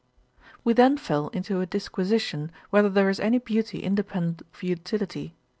We then fell into a disquisition whether there is any beauty independent of utility.